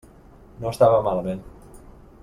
No estava malament.